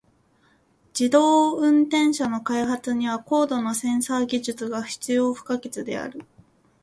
自動運転車の開発には高度なセンサー技術が必要不可欠である。